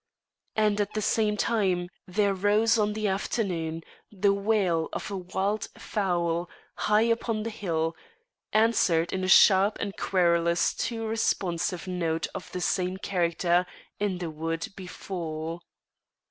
And at the same time there rose on the afternoon the wail of a wild fowl high up on the hill, answered in a sharp and querulous too responsive note of the same character in the wood before.